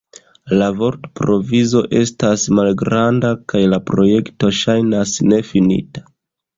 La vortprovizo estas malgranda kaj la projekto ŝajnas nefinita.